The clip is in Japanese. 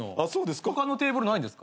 他のテーブルないんですか？